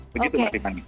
begitu mbak tiffany